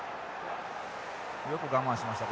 よく我慢しました